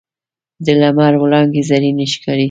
د لمر وړانګې زرینې ښکاري